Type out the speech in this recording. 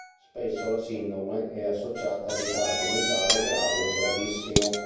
Spesso la sindrome è associata a ritardo mentale grave o gravissimo.